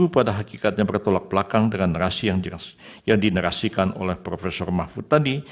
pada hakikatnya bertolak belakang dengan narasi yang dinerasikan oleh prof mahfud tadi